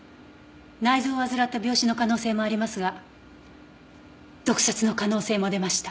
内臓を患った病死の可能性もありますが毒殺の可能性も出ました。